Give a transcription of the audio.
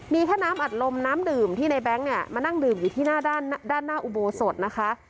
มีแค่น้ำอัดลมน้ำดื่มที่ในแบงค์เนี่ยมานั่งดื่มอยู่ที่หน้าด้านหน้าอุโบสถนะคะ